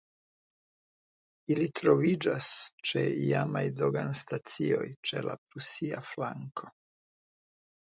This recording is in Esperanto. Ili troviĝas ĉe iamaj doganstacioj ĉe la prusia flanko.